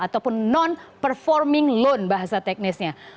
ataupun non performing loan bahasa teknisnya